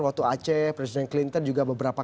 waktu aceh presiden clinton juga beberapa